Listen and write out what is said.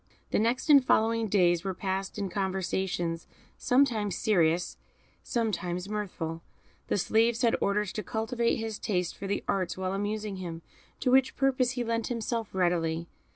The next and following days were passed in conversations, sometimes serious, sometimes mirthful; the slaves had orders to cultivate his taste for the arts while amusing him, to which purpose he lent himself readily.